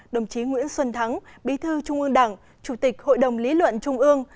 đồng chí nguyễn xuân thắng bí thư trung ương đảng chủ tịch hội đồng lý luận trung ương